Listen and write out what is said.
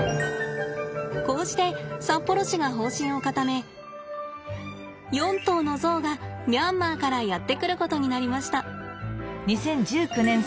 こうして札幌市が方針を固め４頭のゾウがミャンマーからやって来ることになりました。